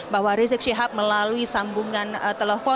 bahwa rizik syihab melalui sambungan telepon